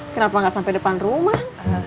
kenapa nggak sampai depan rumah